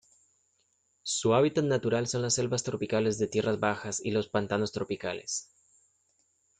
Su hábitat natural son las selvas tropicales de tierras bajas y los pantanos tropicales.